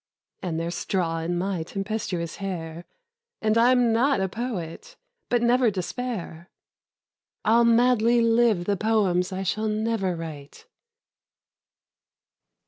And there's straw in my tempestuous hair, And I'm not a poet : but never despair I'll madly live the poems I shall never write.